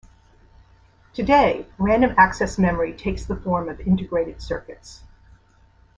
Today, random-access memory takes the form of integrated circuits.